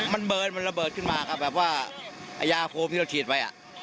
มันเบิร์นมันระเบิดขึ้นมากับแบบว่าไอ้ยาโฮมที่เราฉีดไว้